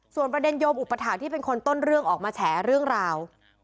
ส่วนประเด็นโยมอุปถาคที่เป็นคนต้นเรื่องออกมาแฉเรื่องราว